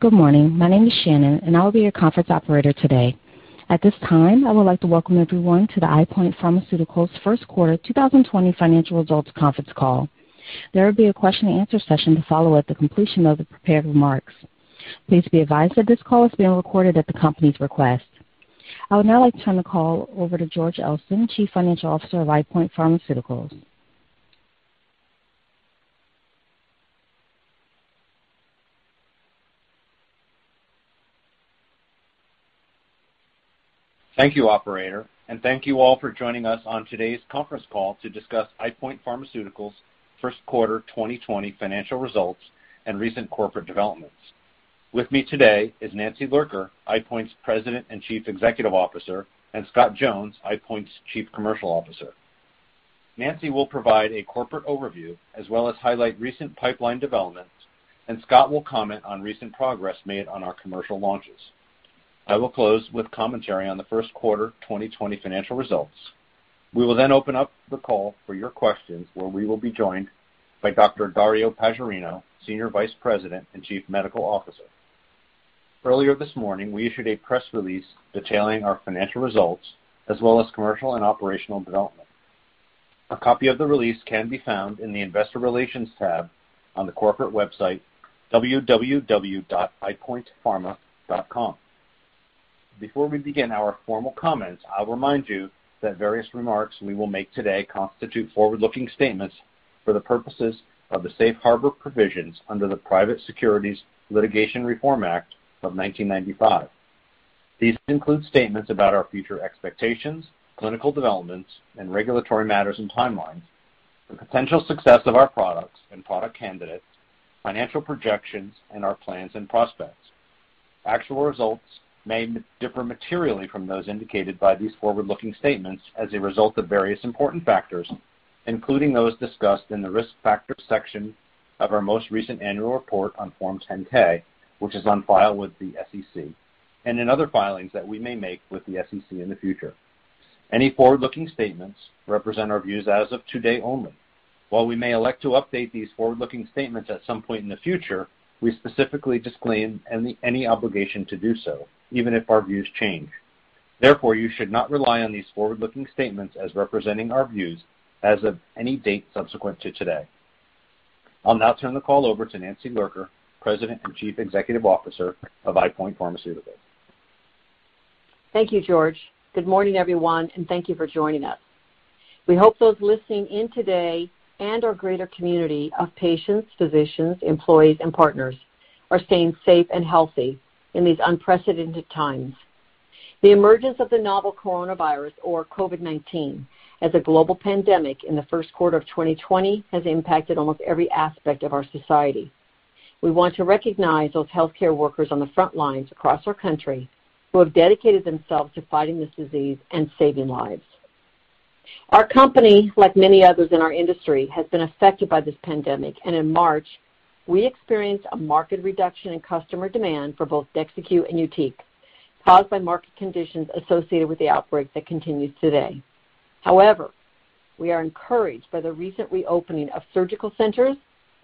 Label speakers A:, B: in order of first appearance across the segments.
A: Good morning. My name is Shannon, and I will be your conference operator today. At this time, I would like to welcome everyone to the EyePoint Pharmaceuticals First Quarter 2020 Financial Results Conference Call. There will be a question and answer session to follow at the completion of the prepared remarks. Please be advised that this call is being recorded at the company's request. I would now like to turn the call over to George Elston, Chief Financial Officer of EyePoint Pharmaceuticals.
B: Thank you, operator. Thank you all for joining us on today's conference call to discuss EyePoint Pharmaceuticals' first quarter 2020 financial results and recent corporate developments. With me today is Nancy Lurker, EyePoint's President and Chief Executive Officer, and Scott Jones, EyePoint's Chief Commercial Officer. Nancy will provide a corporate overview as well as highlight recent pipeline developments. Scott will comment on recent progress made on our commercial launches. I will close with commentary on the first quarter 2020 financial results. We will open up the call for your questions where we will be joined by Dr. Dario Paggiarino, Senior Vice President and Chief Medical Officer. Earlier this morning, we issued a press release detailing our financial results as well as commercial and operational development. A copy of the release can be found in the investor relations tab on the corporate website, www.eyepointpharma.com. Before we begin our formal comments, I'll remind you that various remarks we will make today constitute forward-looking statements for the purposes of the safe harbor provisions under the Private Securities Litigation Reform Act of 1995. These include statements about our future expectations, clinical developments, and regulatory matters and timelines, the potential success of our products and product candidates, financial projections, and our plans and prospects. Actual results may differ materially from those indicated by these forward-looking statements as a result of various important factors, including those discussed in the Risk Factors section of our most recent annual report on Form 10-K, which is on file with the SEC, and in other filings that we may make with the SEC in the future. Any forward-looking statements represent our views as of today only. While we may elect to update these forward-looking statements at some point in the future, we specifically disclaim any obligation to do so, even if our views change. Therefore, you should not rely on these forward-looking statements as representing our views as of any date subsequent to today. I'll now turn the call over to Nancy Lurker, President and Chief Executive Officer of EyePoint Pharmaceuticals.
C: Thank you, George. Good morning, everyone, and thank you for joining us. We hope those listening in today and our greater community of patients, physicians, employees and partners are staying safe and healthy in these unprecedented times. The emergence of the novel coronavirus, or COVID-19, as a global pandemic in the first quarter of 2020 has impacted almost every aspect of our society. We want to recognize those healthcare workers on the front lines across our country who have dedicated themselves to fighting this disease and saving lives. Our company, like many others in our industry, has been affected by this pandemic, and in March, we experienced a marked reduction in customer demand for both DEXYCU and YUTIQ, caused by market conditions associated with the outbreak that continues today. We are encouraged by the recent reopening of surgical centers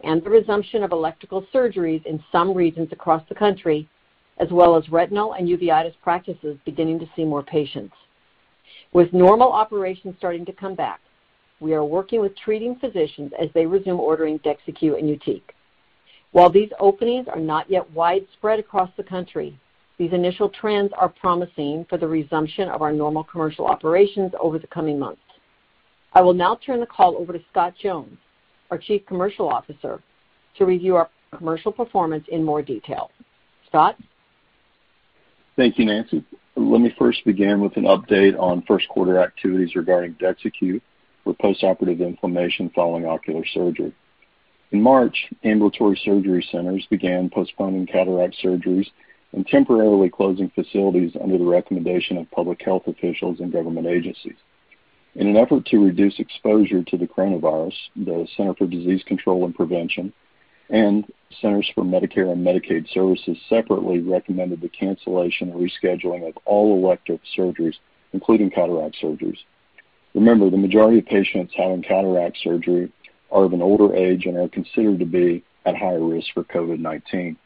C: and the resumption of elective surgeries in some regions across the country, as well as retinal and uveitis practices beginning to see more patients. With normal operations starting to come back, we are working with treating physicians as they resume ordering DEXYCU and YUTIQ. These openings are not yet widespread across the country, these initial trends are promising for the resumption of our normal commercial operations over the coming months. I will now turn the call over to Scott Jones, our Chief Commercial Officer, to review our commercial performance in more detail. Scott?
D: Thank you, Nancy. Let me first begin with an update on first quarter activities regarding DEXYCU for postoperative inflammation following ocular surgery. In March, ambulatory surgery centers began postponing cataract surgeries and temporarily closing facilities under the recommendation of public health officials and government agencies. In an effort to reduce exposure to the coronavirus, the Centers for Disease Control and Prevention and Centers for Medicare and Medicaid Services separately recommended the cancellation or rescheduling of all elective surgeries, including cataract surgeries. Remember, the majority of patients having cataract surgery are of an older age and are considered to be at higher risk for COVID-19.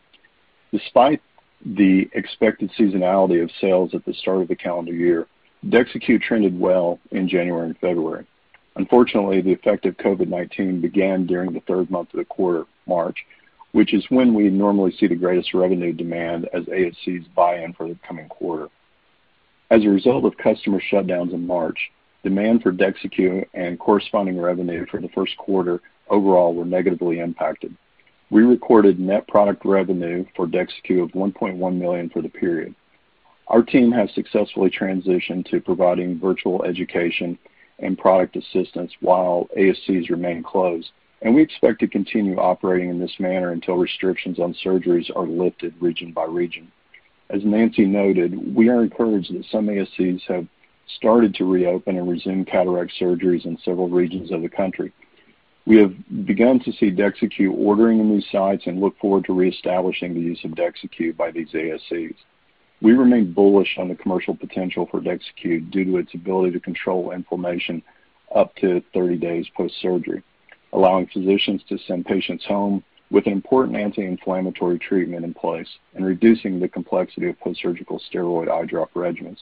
D: Despite the expected seasonality of sales at the start of the calendar year, DEXYCU trended well in January and February. Unfortunately, the effect of COVID-19 began during the third month of the quarter, March, which is when we normally see the greatest revenue demand as ASCs buy in for the coming quarter. A result of customer shutdowns in March, demand for DEXYCU and corresponding revenue for the first quarter overall were negatively impacted. We recorded net product revenue for DEXYCU of $1.1 million for the period. Our team has successfully transitioned to providing virtual education and product assistance while ASCs remain closed, we expect to continue operating in this manner until restrictions on surgeries are lifted region by region. Nancy noted, we are encouraged that some ASCs have started to reopen and resume cataract surgeries in several regions of the country. We have begun to see DEXYCU ordering in these sites and look forward to reestablishing the use of DEXYCU by these ASCs. We remain bullish on the commercial potential for DEXYCU due to its ability to control inflammation up to 30 days post-surgery, allowing physicians to send patients home with an important anti-inflammatory treatment in place and reducing the complexity of post-surgical steroid eye drop regimens.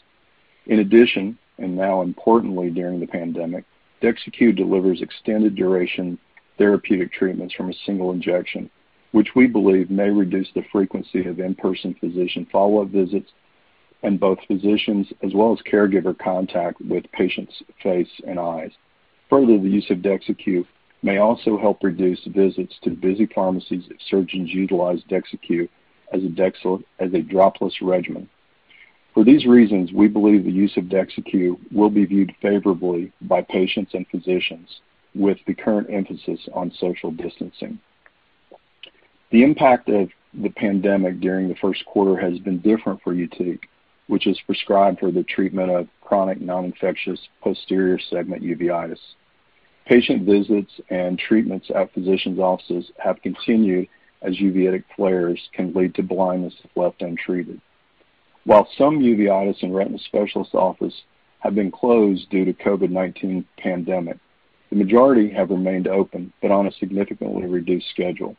D: In addition, now importantly during the pandemic, DEXYCU delivers extended duration therapeutic treatments from a single injection, which we believe may reduce the frequency of in-person physician follow-up visits and both physicians as well as caregiver contact with patients face and eyes. Further, the use of DEXYCU may also help reduce visits to busy pharmacies if surgeons utilize DEXYCU as a drop-less regimen. For these reasons, we believe the use of DEXYCU will be viewed favorably by patients and physicians with the current emphasis on social distancing. The impact of the pandemic during the first quarter has been different for YUTIQ, which is prescribed for the treatment of chronic non-infectious posterior segment uveitis. Patient visits and treatments at physicians' offices have continued as uveitic flares can lead to blindness if left untreated. While some uveitis and retina specialist offices have been closed due to COVID-19 pandemic, the majority have remained open, but on a significantly reduced schedule.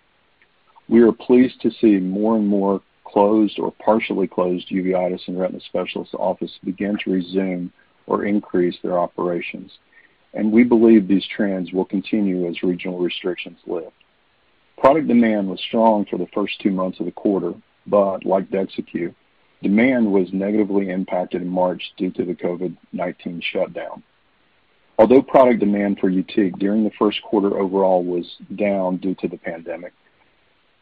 D: We are pleased to see more and more closed or partially closed uveitis and retina specialist offices begin to resume or increase their operations, and we believe these trends will continue as regional restrictions lift. Product demand was strong for the first two months of the quarter, but like DEXYCU, demand was negatively impacted in March due to the COVID-19 shutdown. Although product demand for YUTIQ during the first quarter overall was down due to the pandemic,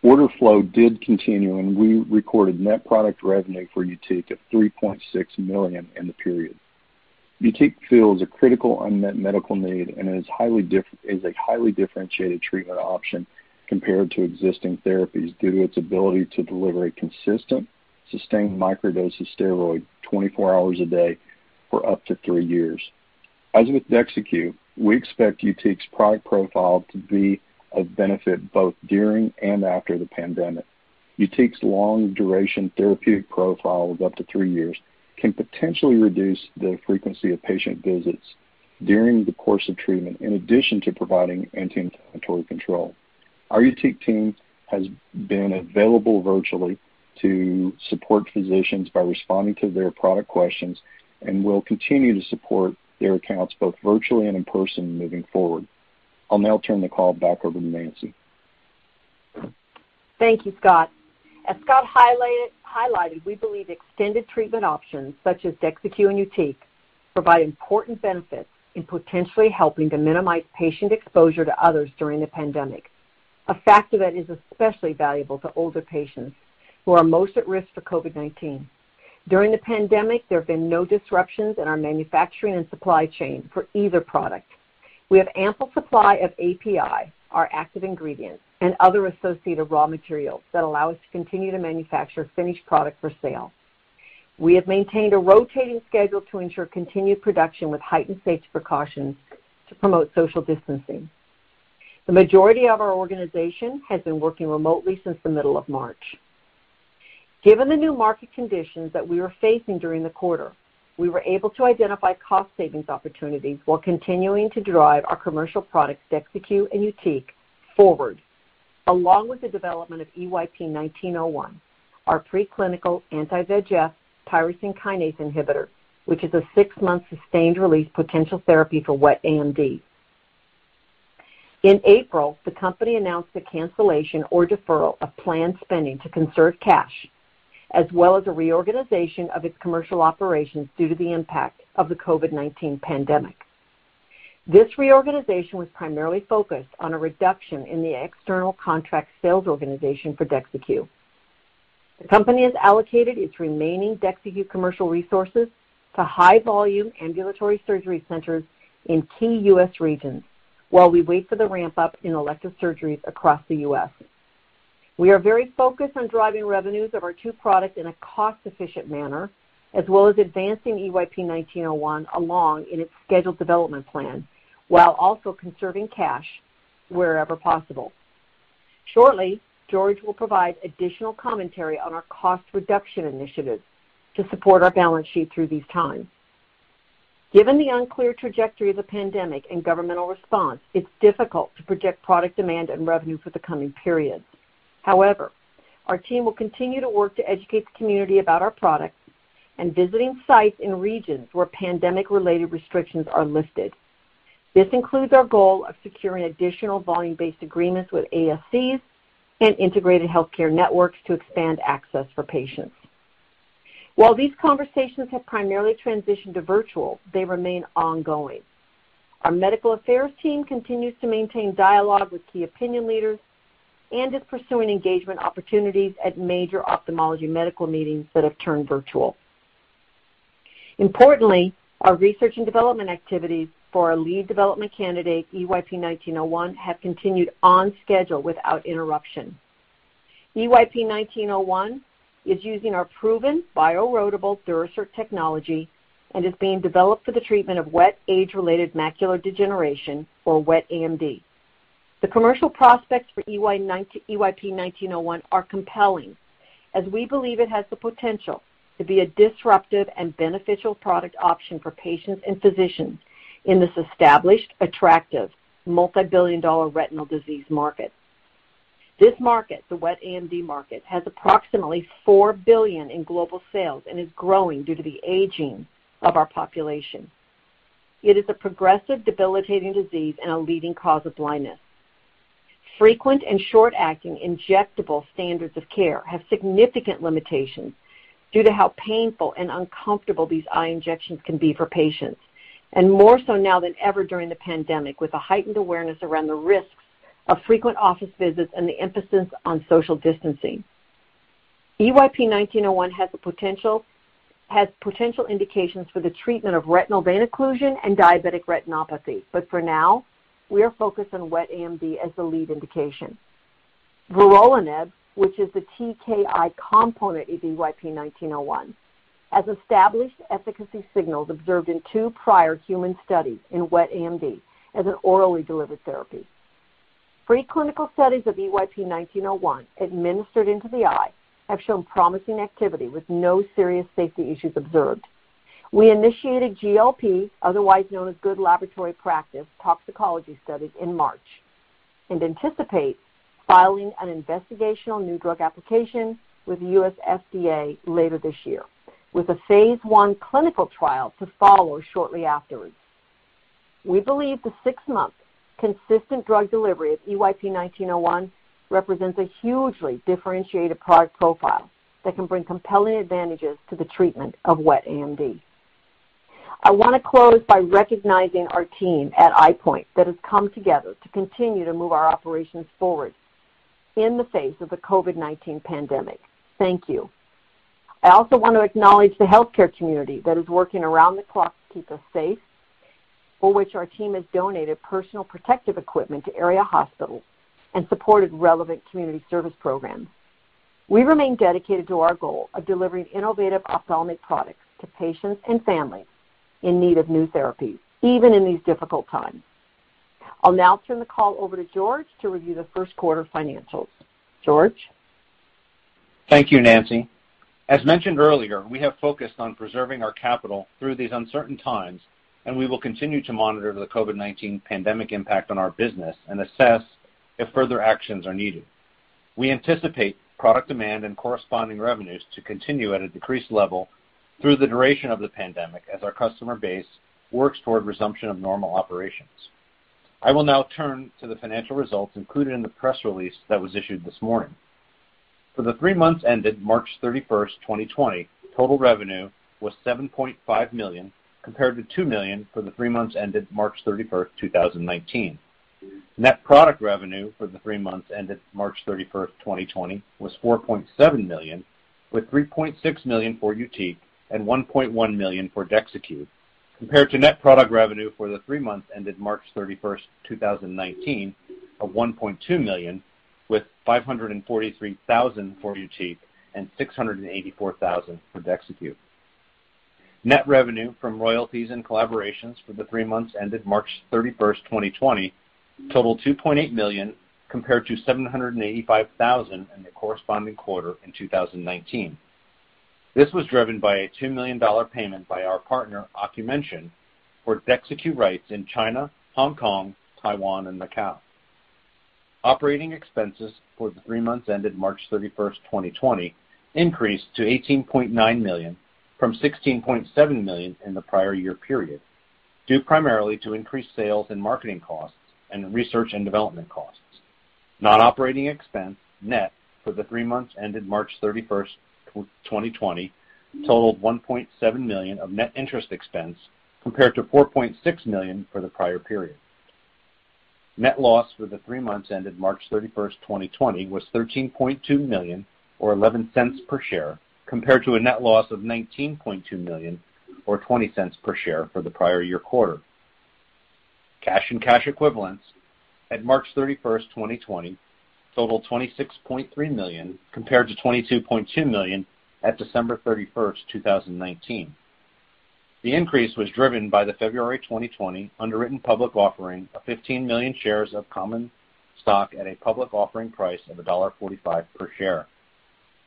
D: order flow did continue, and we recorded net product revenue for YUTIQ of $3.6 million in the period. YUTIQ fills a critical unmet medical need and is a highly differentiated treatment option compared to existing therapies due to its ability to deliver a consistent, sustained microdose of steroid 24 hours a day for up to three years. As with DEXYCU, we expect YUTIQ's product profile to be of benefit both during and after the pandemic. YUTIQ's long-duration therapeutic profile of up to three years can potentially reduce the frequency of patient visits during the course of treatment, in addition to providing anti-inflammatory control. Our YUTIQ team has been available virtually to support physicians by responding to their product questions and will continue to support their accounts both virtually and in person moving forward. I'll now turn the call back over to Nancy.
C: Thank you, Scott. As Scott highlighted, we believe extended treatment options such as DEXYCU and YUTIQ provide important benefits in potentially helping to minimize patient exposure to others during the pandemic. A factor that is especially valuable to older patients who are most at risk for COVID-19. During the pandemic, there have been no disruptions in our manufacturing and supply chain for either product. We have ample supply of API, our active ingredient, and other associated raw materials that allow us to continue to manufacture finished product for sale. We have maintained a rotating schedule to ensure continued production with heightened safety precautions to promote social distancing. The majority of our organization has been working remotely since the middle of March. Given the new market conditions that we were facing during the quarter, we were able to identify cost savings opportunities while continuing to drive our commercial products, DEXYCU and YUTIQ, forward. Along with the development of EYP-1901, our preclinical anti-VEGF tyrosine kinase inhibitor, which is a six-month sustained release potential therapy for wet AMD. In April, the company announced the cancellation or deferral of planned spending to conserve cash, as well as a reorganization of its commercial operations due to the impact of the COVID-19 pandemic. This reorganization was primarily focused on a reduction in the external contract sales organization for DEXYCU. The company has allocated its remaining DEXYCU commercial resources to high-volume ambulatory surgery centers in key U.S. regions while we wait for the ramp-up in elective surgeries across the U.S. We are very focused on driving revenues of our two products in a cost-efficient manner, as well as advancing EYP-1901 along in its scheduled development plan while also conserving cash wherever possible. Shortly, George will provide additional commentary on our cost reduction initiatives to support our balance sheet through these times. Given the unclear trajectory of the pandemic and governmental response, it's difficult to predict product demand and revenue for the coming periods. Our team will continue to work to educate the community about our products and visiting sites in regions where pandemic-related restrictions are lifted. This includes our goal of securing additional volume-based agreements with ASCs and integrated healthcare networks to expand access for patients. While these conversations have primarily transitioned to virtual, they remain ongoing. Our medical affairs team continues to maintain dialogue with key opinion leaders and is pursuing engagement opportunities at major ophthalmology medical meetings that have turned virtual. Importantly, our research and development activities for our lead development candidate, EYP-1901, have continued on schedule without interruption. EYP-1901 is using our proven bioerodible Durasert technology and is being developed for the treatment of wet age-related macular degeneration or wet AMD. The commercial prospects for EYP-1901 are compelling, as we believe it has the potential to be a disruptive and beneficial product option for patients and physicians in this established, attractive, multibillion-dollar retinal disease market. This market, the wet AMD market, has approximately $4 billion in global sales and is growing due to the aging of our population. It is a progressive, debilitating disease and a leading cause of blindness. Frequent and short-acting injectable standards of care have significant limitations due to how painful and uncomfortable these eye injections can be for patients, and more so now than ever during the pandemic, with a heightened awareness around the risks of frequent office visits and the emphasis on social distancing. EYP-1901 has potential indications for the treatment of retinal vein occlusion and diabetic retinopathy. For now, we are focused on wet AMD as the lead indication. vorolanib, which is the TKI component of EYP-1901, has established efficacy signals observed in two prior human studies in wet AMD as an orally delivered therapy. Preclinical studies of EYP-1901 administered into the eye have shown promising activity with no serious safety issues observed. We initiated GLP, otherwise known as good laboratory practice, toxicology studies in March, and anticipate filing an investigational new drug application with the US FDA later this year, with a phase I clinical trial to follow shortly afterwards. We believe the six-month consistent drug delivery of EYP-1901 represents a hugely differentiated product profile that can bring compelling advantages to the treatment of wet AMD. I want to close by recognizing our team at EyePoint that has come together to continue to move our operations forward in the face of the COVID-19 pandemic. Thank you. I also want to acknowledge the healthcare community that is working around the clock to keep us safe, for which our team has donated personal protective equipment to area hospitals and supported relevant community service programs. We remain dedicated to our goal of delivering innovative ophthalmic products to patients and families in need of new therapies, even in these difficult times. I'll now turn the call over to George to review the first quarter financials. George?
B: Thank you, Nancy. As mentioned earlier, we have focused on preserving our capital through these uncertain times. We will continue to monitor the COVID-19 pandemic impact on our business and assess if further actions are needed. We anticipate product demand and corresponding revenues to continue at a decreased level through the duration of the pandemic as our customer base works toward resumption of normal operations. I will now turn to the financial results included in the press release that was issued this morning. For the three months ended March 31st, 2020, total revenue was $7.5 million compared to $2 million for the three months ended March 31st, 2019. Net product revenue for the three months ended March 31, 2020 was $4.7 million, with $3.6 million for YUTIQ and $1.1 million for DEXYCU, compared to net product revenue for the three months ended March 31, 2019 of $1.2 million, with $543,000 for YUTIQ and $684,000 for DEXYCU. Net revenue from royalties and collaborations for the three months ended March 31, 2020 totaled $2.8 million, compared to $785,000 in the corresponding quarter in 2019. This was driven by a $2 million payment by our partner, Ocumension, for DEXYCU rights in China, Hong Kong, Taiwan, and Macau. Operating expenses for the three months ended March 31, 2020 increased to $18.9 million from $16.7 million in the prior year period, due primarily to increased sales and marketing costs and research and development costs. Non-operating expense net for the three months ended March 31, 2020 totaled $1.7 million of net interest expense, compared to $4.6 million for the prior period. Net loss for the three months ended March 31, 2020 was $13.2 million or $0.11 per share, compared to a net loss of $19.2 million or $0.20 per share for the prior year quarter. Cash and cash equivalents at March 31, 2020 totaled $26.3 million, compared to $22.2 million at December 31, 2019. The increase was driven by the February 2020 underwritten public offering of 15 million shares of common stock at a public offering price of $1.45 per share.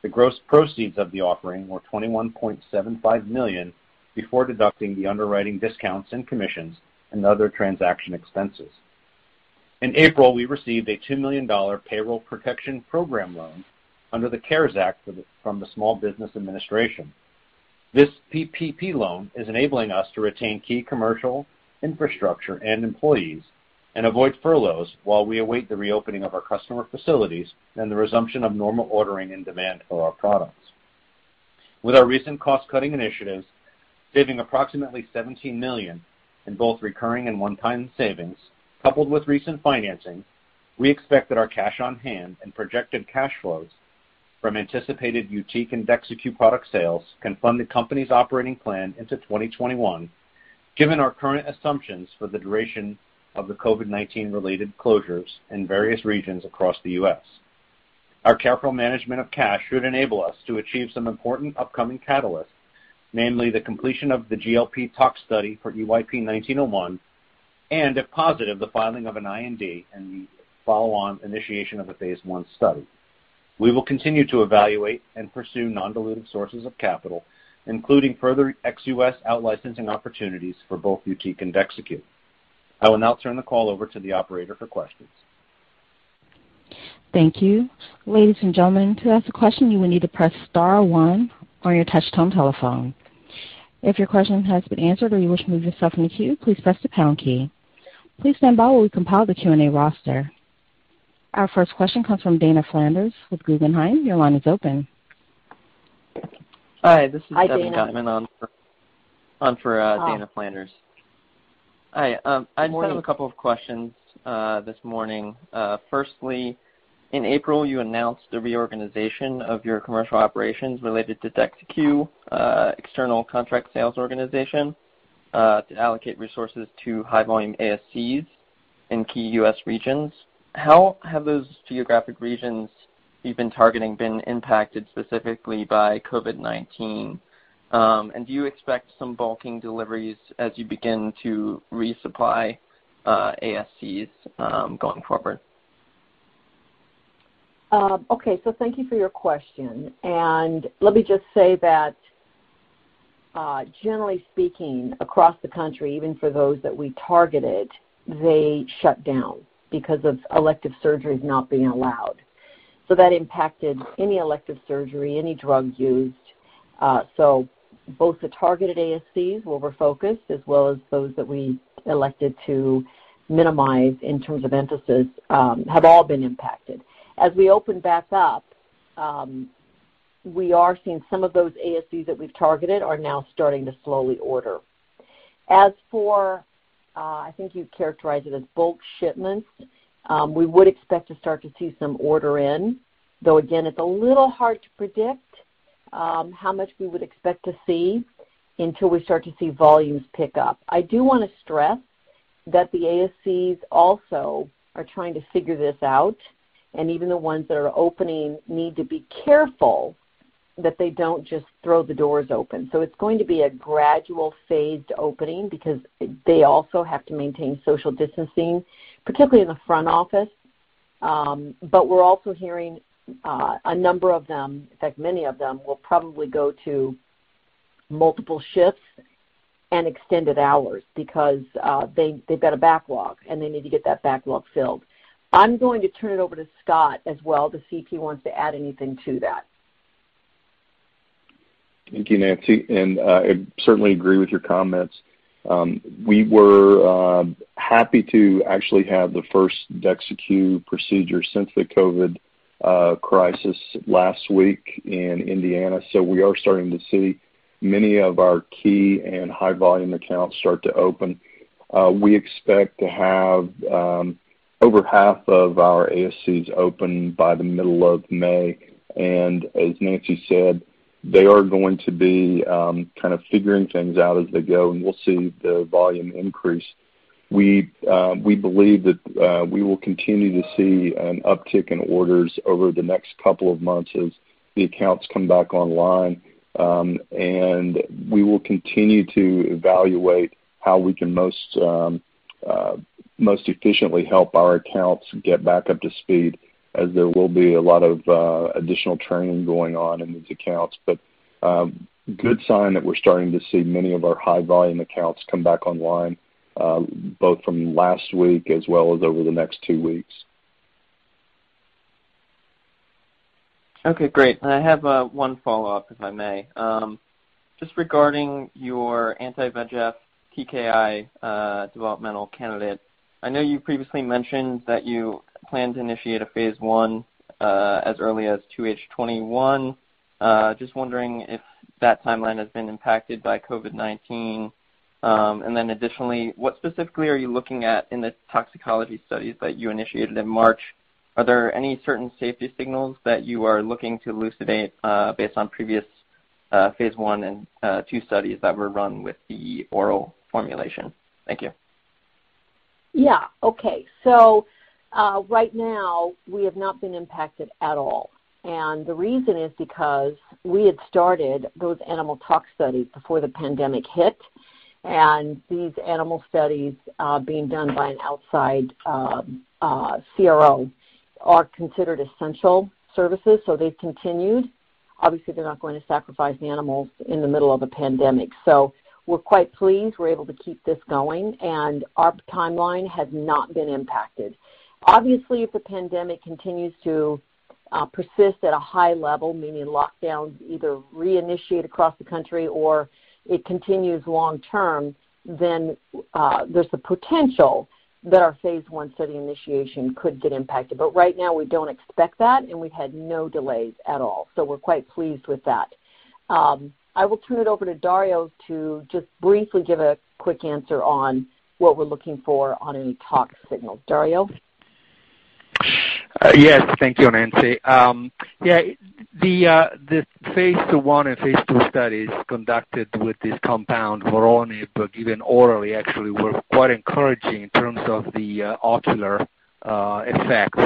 B: The gross proceeds of the offering were $21.75 million before deducting the underwriting discounts and commissions and other transaction expenses. In April, we received a $2 million Paycheck Protection Program loan under the CARES Act from the Small Business Administration. This PPP loan is enabling us to retain key commercial infrastructure and employees and avoid furloughs while we await the reopening of our customer facilities and the resumption of normal ordering and demand for our products. With our recent cost-cutting initiatives saving approximately $17 million in both recurring and one-time savings, coupled with recent financing, we expect that our cash on hand and projected cash flows from anticipated YUTIQ and DEXYCU product sales can fund the company's operating plan into 2021, given our current assumptions for the duration of the COVID-19 related closures in various regions across the U.S. Our careful management of cash should enable us to achieve some important upcoming catalysts, namely the completion of the GLP tox study for EYP-1901, and if positive, the filing of an IND and the follow-on initiation of a Phase I study. We will continue to evaluate and pursue non-dilutive sources of capital, including further ex-US out-licensing opportunities for both YUTIQ and DEXYCU. I will now turn the call over to the operator for questions.
A: Thank you. Ladies and gentlemen, to ask a question, you will need to press *1 on your touchtone telephone. If your question has been answered or you wish to remove yourself from the queue, please press the # key. Please stand by while we compile the Q&A roster. Our first question comes from Dana Flanders with Guggenheim. Your line is open.
E: Hi, this is Evan Gottman.
C: Hi, Dana.
E: on for Dana Flanders. Hi.
C: Morning.
E: I just have a couple of questions this morning. In April, you announced the reorganization of your commercial operations related to DEXYCU, external contract sales organization, to allocate resources to high-volume ASCs in key U.S. regions. How have those geographic regions you've been targeting been impacted specifically by COVID-19? Do you expect some bulking deliveries as you begin to resupply ASCs going forward?
C: Okay. Thank you for your question. Let me just say that, generally speaking, across the country, even for those that we targeted, they shut down because of elective surgeries not being allowed. That impacted any elective surgery, any drug used. Both the targeted ASCs, where we're focused, as well as those that we elected to minimize in terms of emphasis, have all been impacted. As we open back up, we are seeing some of those ASCs that we've targeted are now starting to slowly order. As for, I think you characterized it as bulk shipments, we would expect to start to see some order in, though again, it's a little hard to predict how much we would expect to see until we start to see volumes pick up. I do want to stress that the ASCs also are trying to figure this out. Even the ones that are opening need to be careful that they don't just throw the doors open. It's going to be a gradual phased opening because they also have to maintain social distancing, particularly in the front office. We're also hearing a number of them, in fact, many of them will probably go to multiple shifts and extended hours because they've got a backlog, and they need to get that backlog filled. I'm going to turn it over to Scott as well to see if he wants to add anything to that.
D: Thank you, Nancy. I certainly agree with your comments. We were happy to actually have the first DEXYCU procedure since the COVID-19 crisis last week in Indiana, so we are starting to see many of our key and high-volume accounts start to open. We expect to have over half of our ASCs open by the middle of May. As Nancy said, they are going to be kind of figuring things out as they go, and we'll see the volume increase. We believe that we will continue to see an uptick in orders over the next couple of months as the accounts come back online. We will continue to evaluate how we can most efficiently help our accounts get back up to speed as there will be a lot of additional training going on in these accounts. A good sign that we're starting to see many of our high-volume accounts come back online, both from last week as well as over the next two weeks.
E: Okay, great. I have one follow-up, if I may. Just regarding your anti-VEGF TKI developmental candidate, I know you previously mentioned that you plan to initiate a phase I as early as 2H21. Just wondering if that timeline has been impacted by COVID-19. Additionally, what specifically are you looking at in the toxicology studies that you initiated in March? Are there any certain safety signals that you are looking to elucidate based on previous phase I and phase II studies that were run with the oral formulation? Thank you.
C: Yeah. Okay. Right now, we have not been impacted at all. The reason is because we had started those animal tox studies before the pandemic hit. These animal studies are being done by an outside CRO, are considered essential services, so they've continued. Obviously, they're not going to sacrifice the animals in the middle of a pandemic. We're quite pleased we're able to keep this going, and our timeline has not been impacted. Obviously, if the pandemic continues to persist at a high level, meaning lockdowns either reinitiate across the country or it continues long term, then there's the potential that our phase I study initiation could get impacted. Right now, we don't expect that, and we've had no delays at all. We're quite pleased with that. I will turn it over to Dario to just briefly give a quick answer on what we're looking for on any tox signals. Dario?
F: Yes. Thank you, Nancy. Yeah, the phase I and phase II studies conducted with this compound, vorolanib, given orally actually were quite encouraging in terms of the ocular effects.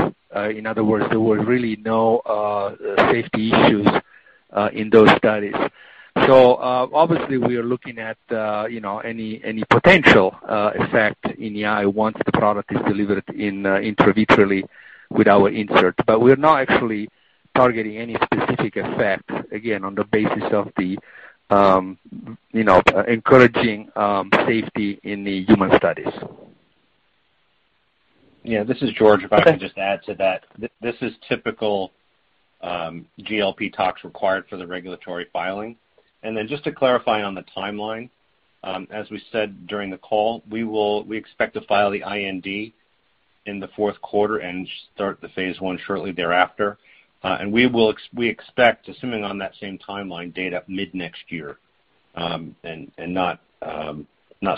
F: In other words, there were really no safety issues in those studies. Obviously we are looking at any potential effect in the eye once the product is delivered intravitreally with our insert. We're not actually targeting any specific effect, again, on the basis of the encouraging safety in the human studies.
B: Yeah. This is George.
F: Okay.
B: If I can just add to that, this is typical GLP tox required for the regulatory filing. Then just to clarify on the timeline, as we said during the call, we expect to file the IND in the fourth quarter and start the phase I shortly thereafter. We expect, assuming on that same timeline, data mid next year, and not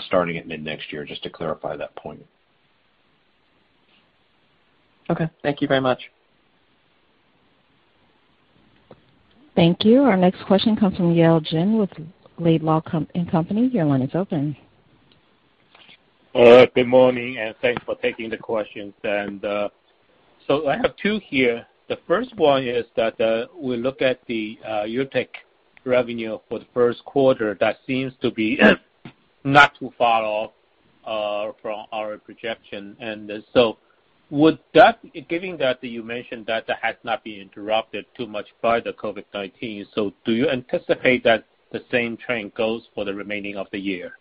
B: starting at mid next year, just to clarify that point.
E: Okay. Thank you very much.
A: Thank you. Our next question comes from Yale Jen with Laidlaw & Company. Your line is open.
G: All right. Good morning, and thanks for taking the questions. I have two here. The first one is that we look at the YUTIQ revenue for the first quarter, that seems to be not too far off from our projection. So giving that you mentioned that has not been interrupted too much by the COVID-19, so do you anticipate that the same trend goes for the remaining of the year?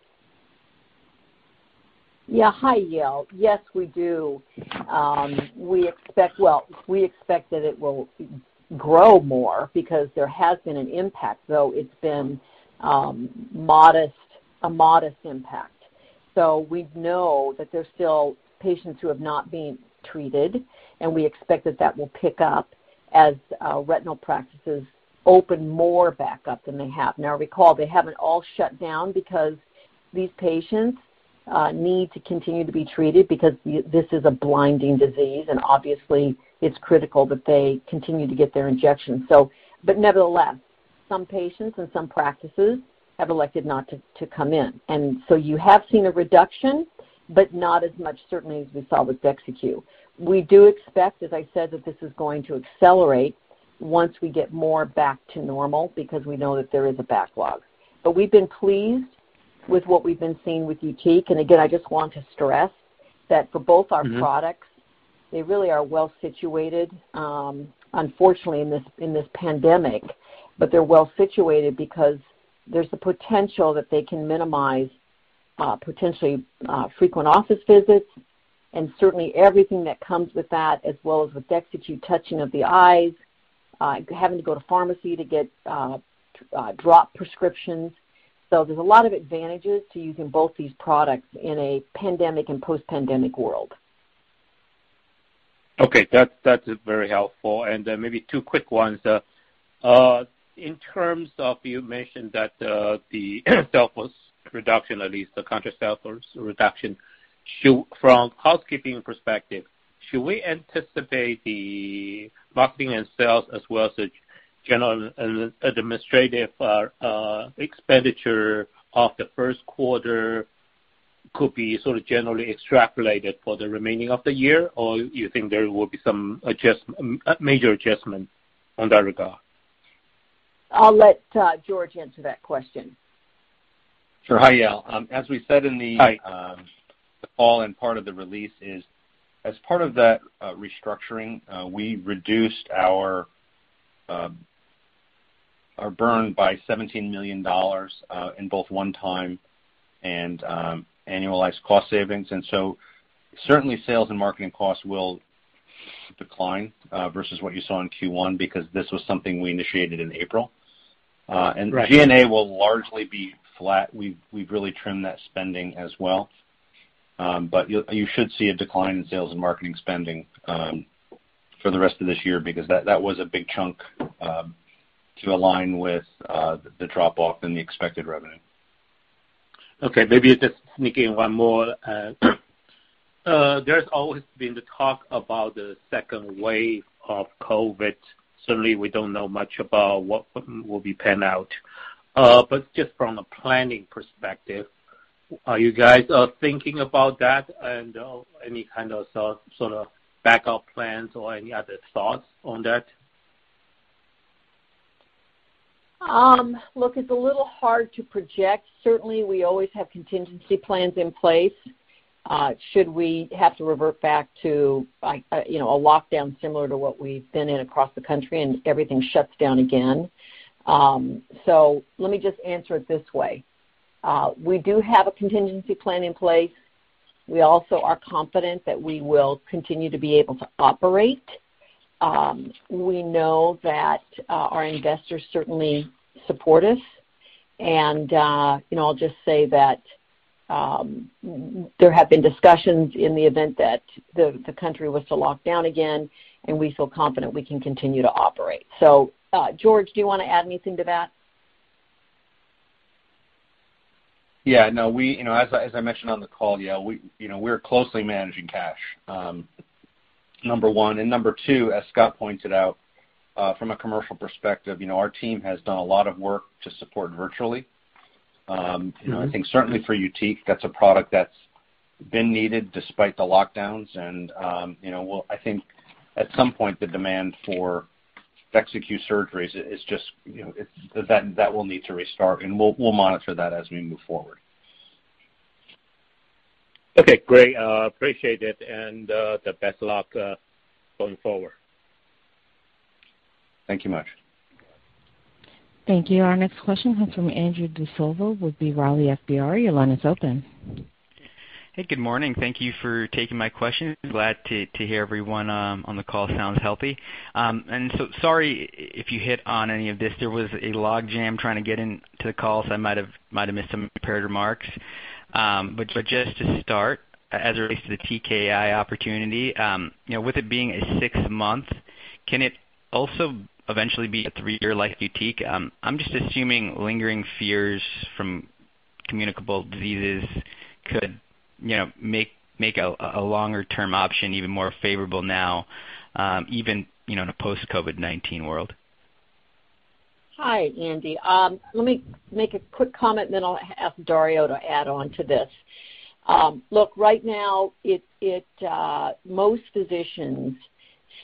C: Hi, Yale. Yes, we do. We expect that it will grow more because there has been an impact, though it's been a modest impact. We know that there's still patients who have not been treated, and we expect that that will pick up as retinal practices open more back up than they have. Recall, they haven't all shut down because these patients need to continue to be treated because this is a blinding disease, and obviously it's critical that they continue to get their injections. Nevertheless, some patients and some practices have elected not to come in. You have seen a reduction, but not as much certainly as we saw with DEXYCU. We do expect, as I said, that this is going to accelerate once we get more back to normal because we know that there is a backlog. We've been pleased with what we've been seeing with YUTIQ, and again, I just want to stress that for both our products, they really are well-situated, unfortunately, in this pandemic. They're well-situated because there's the potential that they can minimize potentially frequent office visits and certainly everything that comes with that, as well as with DEXYCU, touching of the eyes, having to go to pharmacy to get drop prescriptions. There's a lot of advantages to using both these products in a pandemic and post-pandemic world.
G: Okay. That's very helpful. Then maybe two quick ones. In terms of, you mentioned that the sales force reduction, at least the contract sales force reduction. From housekeeping perspective, should we anticipate the marketing and sales as well as the general and administrative expenditure of the first quarter could be sort of generally extrapolated for the remaining of the year? You think there will be some major adjustment on that regard?
C: I'll let George answer that question.
B: Sure. Hi, Yale. As we said in the-
G: Hi
B: the call and part of the release is, as part of that restructuring, we reduced our burn by $17 million in both one-time and annualized cost savings. Certainly sales and marketing costs will decline, versus what you saw in Q1, because this was something we initiated in April.
G: Right.
B: G&A will largely be flat. We've really trimmed that spending as well. You should see a decline in sales and marketing spending for the rest of this year because that was a big chunk to align with the drop-off in the expected revenue.
G: Okay. Maybe just sneaking in one more. There's always been the talk about the second wave of COVID. Certainly, we don't know much about what will be panned out. Just from a planning perspective, are you guys thinking about that, and any kind of sort of backup plans or any other thoughts on that?
C: Look, it's a little hard to project. Certainly, we always have contingency plans in place, should we have to revert back to a lockdown similar to what we've been in across the country and everything shuts down again. Let me just answer it this way. We do have a contingency plan in place. We also are confident that we will continue to be able to operate. We know that our investors certainly support us. I'll just say that there have been discussions in the event that the country was to lock down again, and we feel confident we can continue to operate. George, do you want to add anything to that?
B: Yeah. No. As I mentioned on the call, Yale, we're closely managing cash, number one. Number two, as Scott pointed out, from a commercial perspective, our team has done a lot of work to support. I think certainly for YUTIQ, that's a product that's been needed despite the lockdowns, and I think at some point the demand for DEXYCU surgeries, that will need to restart, and we'll monitor that as we move forward.
G: Okay, great. Appreciate it. The best luck going forward.
B: Thank you much.
A: Thank you. Our next question comes from Andrew D'Silva with B. Riley FBR. Your line is open.
H: Hey, good morning. Thank you for taking my question. Glad to hear everyone on the call sounds healthy. Sorry if you hit on any of this. There was a log jam trying to get into the call, so I might have missed some prepared remarks. Just to start, as it relates to the TKI opportunity, with it being a six-month, can it also eventually be a three-year like YUTIQ? I'm just assuming lingering fears from communicable diseases could make a longer-term option even more favorable now, even in a post-COVID-19 world.
C: Hi, Andrew. Let me make a quick comment, then I'll ask Dario to add on to this. Look, right now, most physicians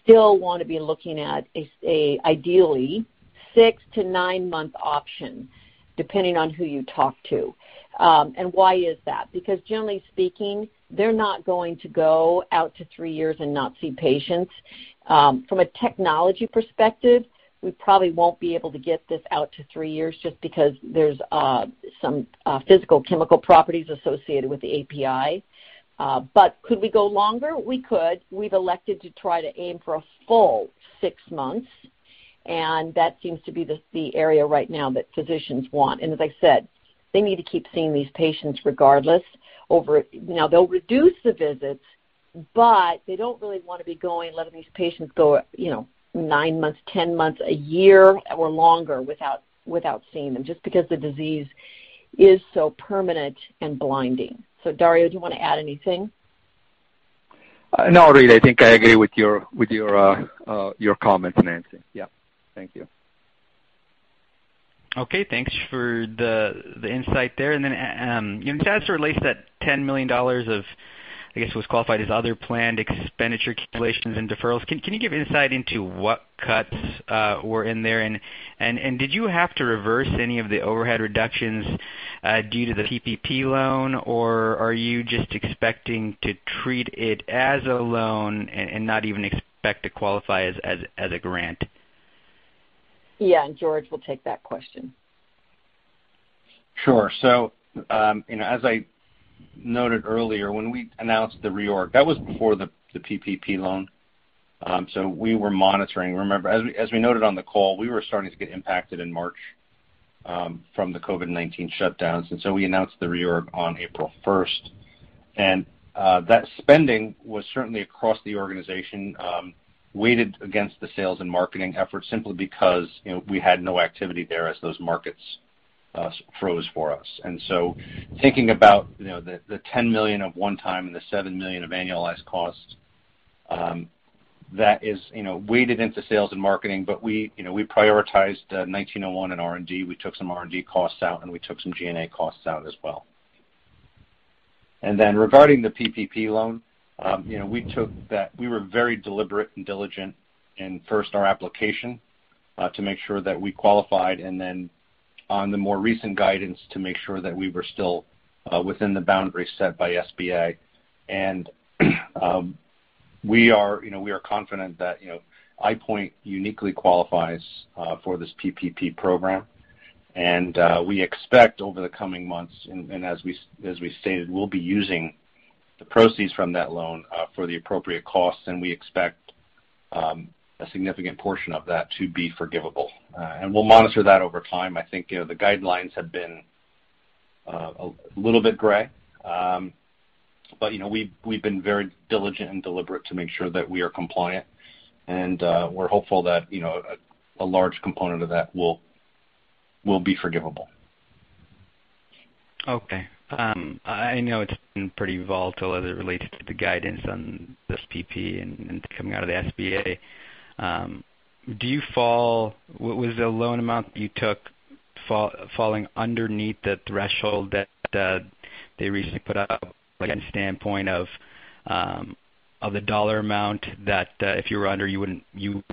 C: still want to be looking at, ideally, six to nine-month option, depending on who you talk to. Why is that? Because generally speaking, they're not going to go out to three years and not see patients. From a technology perspective, we probably won't be able to get this out to three years just because there's some physical chemical properties associated with the API. Could we go longer? We could. We've elected to try to aim for a full six months, and that seems to be the area right now that physicians want. As I said, they need to keep seeing these patients regardless. They'll reduce the visits. They don't really want to be going, letting these patients go nine months, 10 months, a year or longer without seeing them, just because the disease is so permanent and blinding. Dario, do you want to add anything?
F: No, really, I think I agree with your comments, Nancy. Yeah. Thank you.
H: Okay. Thanks for the insight there. Then as it relates to that $10 million of, I guess, what was qualified as other planned expenditure accumulations and deferrals, can you give insight into what cuts were in there? Did you have to reverse any of the overhead reductions due to the PPP loan, or are you just expecting to treat it as a loan and not even expect to qualify it as a grant?
C: Yeah, George will take that question.
B: Sure. As I noted earlier, when we announced the reorg, that was before the PPP loan. We were monitoring. Remember, as we noted on the call, we were starting to get impacted in March from the COVID-19 shutdowns, we announced the reorg on April 1st. That spending was certainly across the organization, weighted against the sales and marketing efforts simply because we had no activity there as those markets froze for us. Thinking about the $10 million of one-time and the $7 million of annualized costs, that is weighted into sales and marketing, but we prioritized the EYP-1901 and R&D. We took some R&D costs out, and we took some G&A costs out as well. Regarding the PPP loan, we were very deliberate and diligent in first our application to make sure that we qualified and then on the more recent guidance to make sure that we were still within the boundaries set by SBA. We are confident that EyePoint uniquely qualifies for this PPP program. We expect over the coming months, and as we stated, we'll be using the proceeds from that loan for the appropriate costs, and we expect a significant portion of that to be forgivable. We'll monitor that over time. I think the guidelines have been a little bit gray. We've been very diligent and deliberate to make sure that we are compliant, and we're hopeful that a large component of that will be forgivable.
H: Okay. I know it's been pretty volatile as it relates to the guidance on this PPP and coming out of the SBA. Was the loan amount that you took falling underneath the threshold that they recently put out, like standpoint of the dollar amount that if you were under, you wouldn't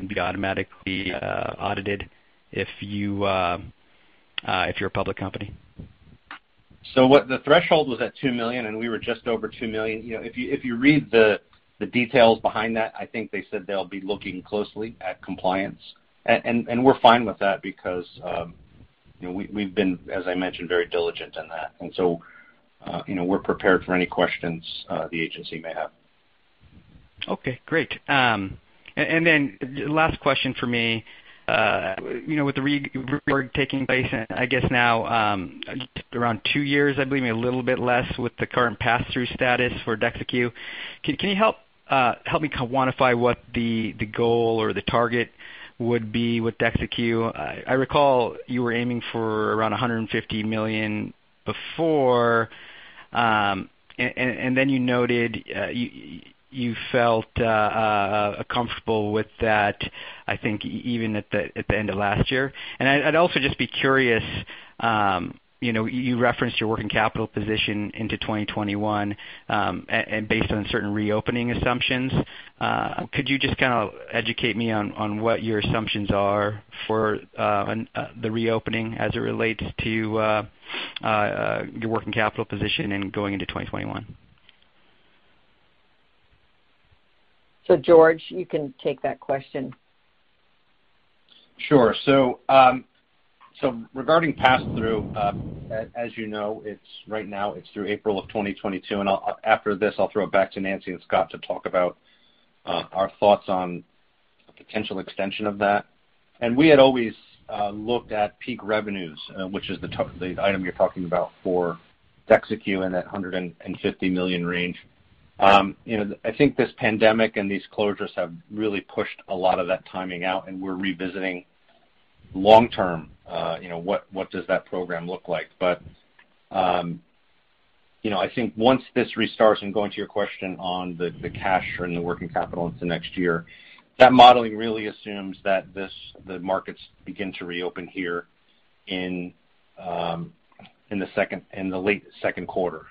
H: be automatically audited if you're a public company?
B: The threshold was at $2 million, and we were just over $2 million. If you read the details behind that, I think they said they'll be looking closely at compliance. We're fine with that because we've been, as I mentioned, very diligent in that. We're prepared for any questions the agency may have.
H: Okay, great. Last question from me. With the reorg taking place, I guess now around two years, I believe, maybe a little bit less with the current pass-through status for DEXYCU, can you help me quantify what the goal or the target would be with DEXYCU? I recall you were aiming for around $150 million before. You noted you felt comfortable with that, I think, even at the end of last year. I'd also just be curious, you referenced your working capital position into 2021, based on certain reopening assumptions. Could you just kind of educate me on what your assumptions are for the reopening as it relates to your working capital position and going into 2021?
C: George, you can take that question.
B: Sure. Regarding pass-through, as you know, right now it's through April of 2022, and after this, I'll throw it back to Nancy and Scott to talk about our thoughts on a potential extension of that. We had always looked at peak revenues, which is the item you're talking about for DEXYCU in that $150 million range. I think this pandemic and these closures have really pushed a lot of that timing out, and we're revisiting long-term, what does that program look like? I think once this restarts, and going to your question on the cash and the working capital into next year, that modeling really assumes that the markets begin to reopen here in the late second quarter,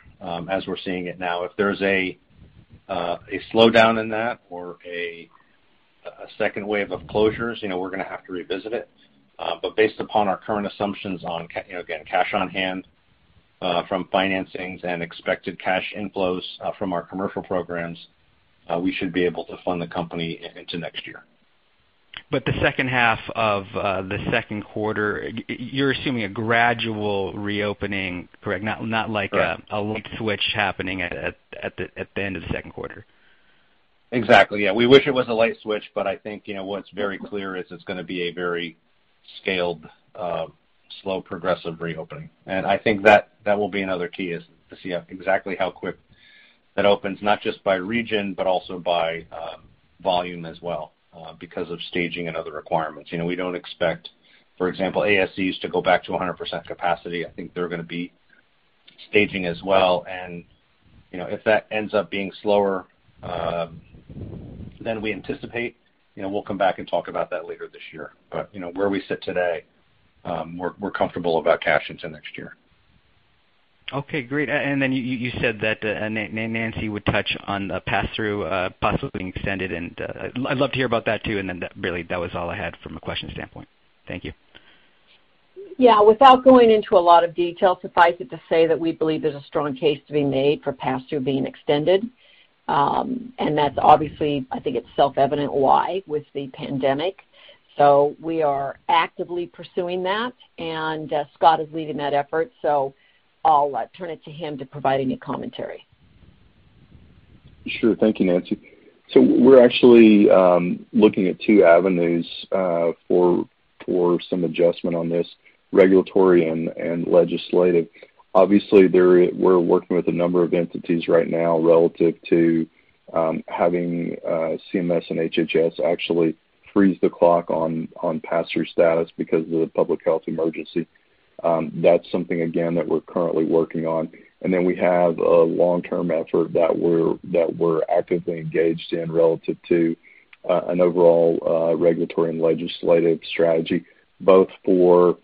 B: as we're seeing it now. If there's a slowdown in that or a second wave of closures, we're going to have to revisit it. Based upon our current assumptions on, again, cash on hand from financings and expected cash inflows from our commercial programs, we should be able to fund the company into next year.
H: The second half of the second quarter, you're assuming a gradual reopening, correct?
B: Correct.
H: Not like a light switch happening at the end of the second quarter.
B: Exactly. Yeah. We wish it was a light switch, I think what's very clear is it's going to be a very scaled, slow, progressive reopening. I think that will be another key, is to see exactly how quick that opens, not just by region, but also by volume as well, because of staging and other requirements. We don't expect, for example, ASCs to go back to 100% capacity. I think they're going to be staging as well. If that ends up being slower than we anticipate, we'll come back and talk about that later this year. Where we sit today, we're comfortable about cash into next year.
H: Okay, great. You said that Nancy would touch on pass-through possibly being extended, and I'd love to hear about that too. Really, that was all I had from a question standpoint. Thank you.
C: Yeah. Without going into a lot of detail, suffice it to say that we believe there's a strong case to be made for pass-through being extended. That's obviously, I think it's self-evident why, with the pandemic. We are actively pursuing that, and Scott is leading that effort, so I'll turn it to him to provide any commentary.
D: Sure. Thank you, Nancy. We're actually looking at two avenues for some adjustment on this, regulatory and legislative. Obviously, we're working with a number of entities right now relative to having CMS and HHS actually freeze the clock on pass-through status because of the public health emergency. That's something, again, that we're currently working on. We have a long-term effort that we're actively engaged in relative to an overall regulatory and legislative strategy, both for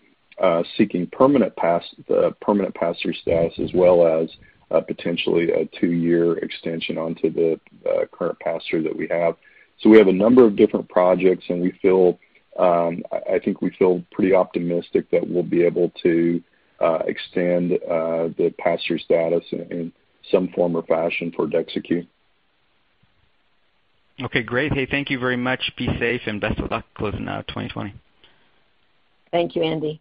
D: seeking permanent pass-through status, as well as potentially a two-year extension onto the current pass-through that we have. We have a number of different projects, and I think we feel pretty optimistic that we'll be able to extend the pass-through status in some form or fashion for DEXYCU.
H: Okay, great. Hey, thank you very much. Be safe, and best of luck closing out 2020.
C: Thank you, Andy.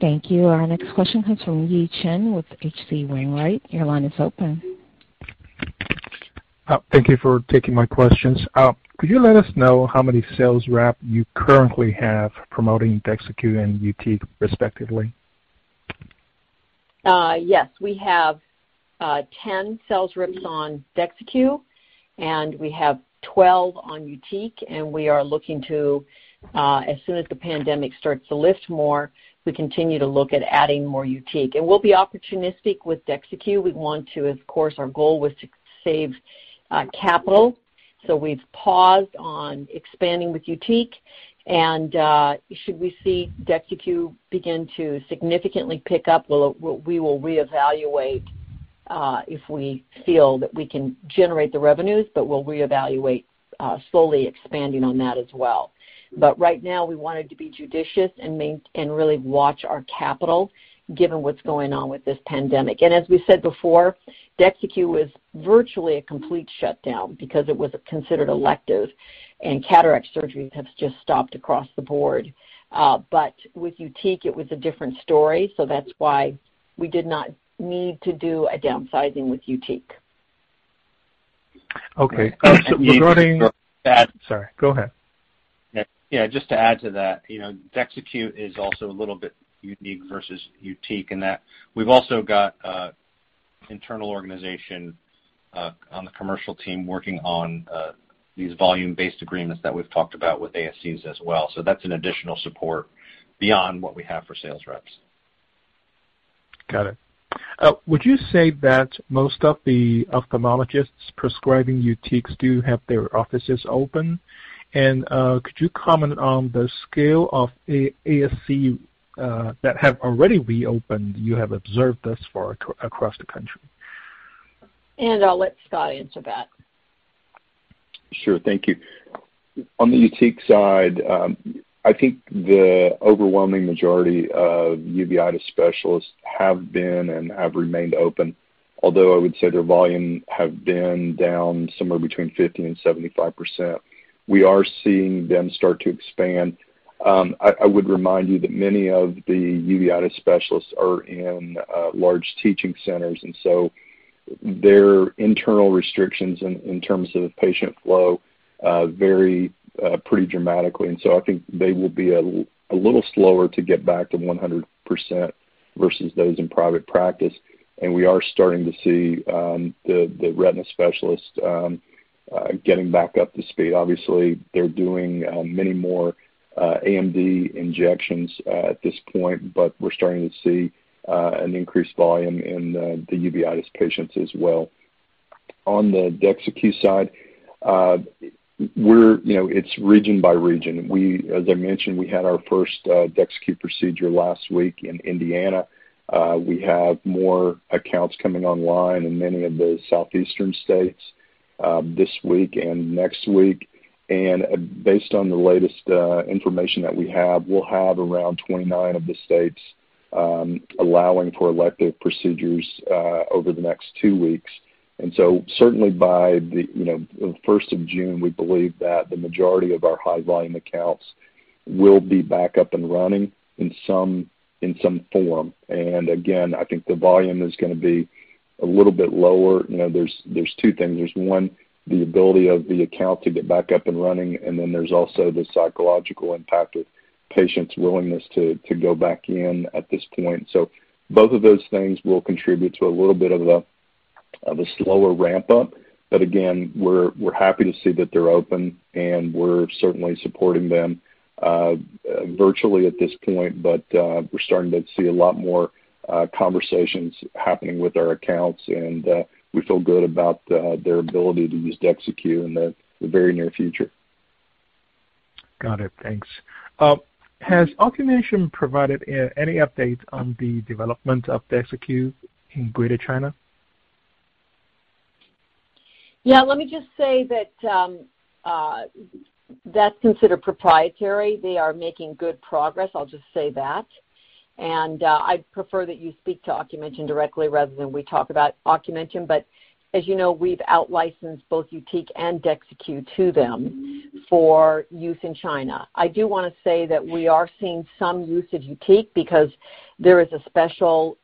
A: Thank you. Our next question comes from Yi Chen with H.C. Wainwright. Your line is open.
I: Thank you for taking my questions. Could you let us know how many sales rep you currently have promoting DEXYCU and YUTIQ, respectively?
C: Yes. We have 10 sales reps on DEXYCU, and we have 12 on YUTIQ, and we are looking to, as soon as the pandemic starts to lift more, we continue to look at adding more YUTIQ. We'll be opportunistic with DEXYCU. We want to, of course, our goal was to save capital. We've paused on expanding with YUTIQ, and should we see DEXYCU begin to significantly pick up, we will reevaluate if we feel that we can generate the revenues. We'll reevaluate slowly expanding on that as well. Right now, we wanted to be judicious and really watch our capital given what's going on with this pandemic. As we said before, DEXYCU was virtually a complete shutdown because it was considered elective, and cataract surgeries have just stopped across the board. With YUTIQ, it was a different story, so that's why we did not need to do a downsizing with YUTIQ.
I: Okay.
B: Yi.
I: Sorry, go ahead.
B: Yeah, just to add to that, DEXYCU is also a little bit unique versus YUTIQ in that we've also got internal organization on the commercial team working on these volume-based agreements that we've talked about with ASCs as well. That's an additional support beyond what we have for sales reps.
I: Got it. Would you say that most of the ophthalmologists prescribing YUTIQ do have their offices open? Could you comment on the scale of ASC that have already reopened you have observed thus far across the country?
C: I'll let Scott answer that.
D: Sure. Thank you. On the YUTIQ side, I think the overwhelming majority of uveitis specialists have been and have remained open, although I would say their volume have been down somewhere between 50%-75%. We are seeing them start to expand. I would remind you that many of the uveitis specialists are in large teaching centers, and so their internal restrictions in terms of patient flow vary pretty dramatically. I think they will be a little slower to get back to 100% versus those in private practice. We are starting to see the retina specialists getting back up to speed. Obviously, they're doing many more AMD injections at this point, but we're starting to see an increased volume in the uveitis patients as well. On the DEXYCU side, it's region by region. As I mentioned, we had our first DEXYCU procedure last week in Indiana. We have more accounts coming online in many of the southeastern states this week and next week. Based on the latest information that we have, we'll have around 29 of the states allowing for elective procedures over the next two weeks. Certainly by the 1st of June, we believe that the majority of our high volume accounts will be back up and running in some form. Again, I think the volume is going to be a little bit lower. There's two things. There's one, the ability of the account to get back up and running, and then there's also the psychological impact of patients' willingness to go back in at this point. Both of those things will contribute to a little bit of a slower ramp-up. Again, we're happy to see that they're open, and we're certainly supporting them virtually at this point. We're starting to see a lot more conversations happening with our accounts, and we feel good about their ability to use DEXYCU in the very near future.
I: Got it. Thanks. Has Ocumension provided any update on the development of DEXYCU in Greater China?
C: Yeah, let me just say that's considered proprietary. They are making good progress, I'll just say that. I'd prefer that you speak to Ocumension directly rather than we talk about Ocumension. As you know, we've outlicensed both YUTIQ and DEXYCU to them for use in China. I do want to say that we are seeing some use of YUTIQ because there is a special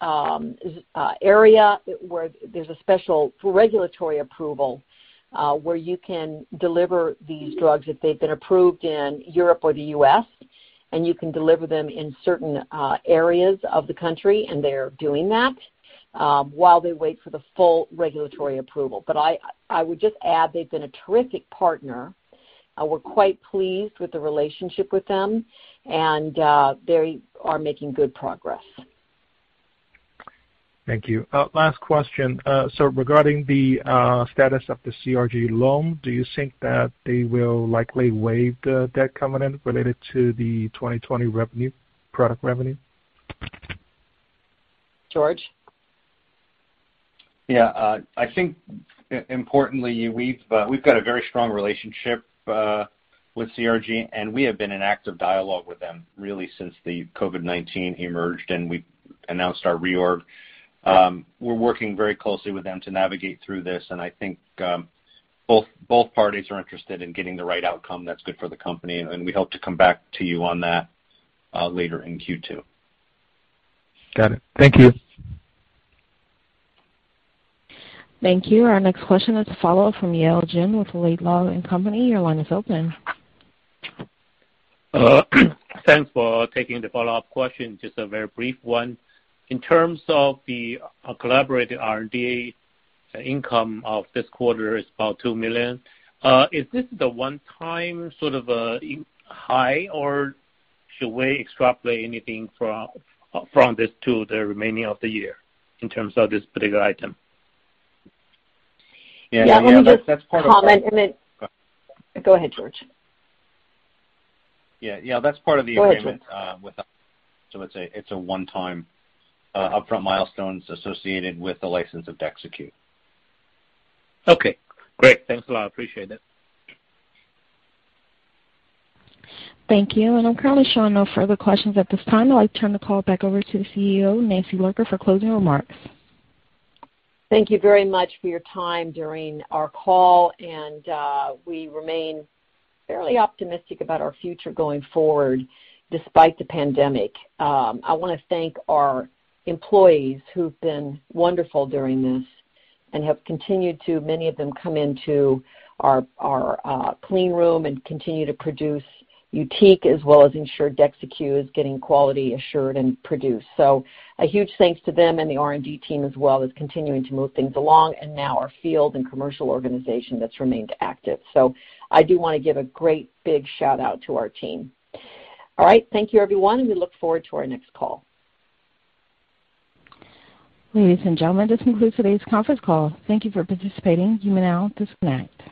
C: area where there's a special regulatory approval where you can deliver these drugs if they've been approved in Europe or the U.S., and you can deliver them in certain areas of the country, and they're doing that while they wait for the full regulatory approval. I would just add they've been a terrific partner. We're quite pleased with the relationship with them, and they are making good progress.
I: Thank you. Last question. Regarding the status of the CRG loan, do you think that they will likely waive the debt covenant related to the 2020 product revenue?
C: George?
B: Yeah. I think importantly, we've got a very strong relationship with CRG, and we have been in active dialogue with them really since the COVID-19 emerged and we announced our reorg. We're working very closely with them to navigate through this, and I think both parties are interested in getting the right outcome that's good for the company, and we hope to come back to you on that later in Q2.
I: Got it. Thank you.
A: Thank you. Our next question is a follow-up from Yale Jen with Laidlaw & Company. Your line is open.
G: Thanks for taking the follow-up question. Just a very brief one. In terms of the collaborated R&D income of this quarter is about $2 million. Is this the one time sort of a high, or should we extrapolate anything from this to the remaining of the year in terms of this particular item?
B: Yeah.
C: Yeah. Let me just comment.
B: Go ahead.
C: Go ahead, George.
B: Yeah. That's part of the agreement.
C: George
B: with. It's a one time upfront milestones associated with the license of DEXYCU.
G: Okay, great. Thanks a lot. I appreciate it.
A: Thank you. I'm currently showing no further questions at this time. I'll turn the call back over to the CEO, Nancy Lurker, for closing remarks.
C: Thank you very much for your time during our call. We remain fairly optimistic about our future going forward despite the pandemic. I want to thank our employees who've been wonderful during this and have continued to, many of them, come into our clean room and continue to produce YUTIQ as well as ensure DEXYCU is getting quality assured and produced. A huge thanks to them and the R&D team as well is continuing to move things along, and now our field and commercial organization that's remained active. I do want to give a great big shout-out to our team. All right. Thank you everyone, and we look forward to our next call.
A: Ladies and gentlemen, this concludes today's conference call. Thank you for participating. You may now disconnect.